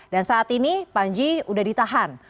dan saat ini panji udah ditahan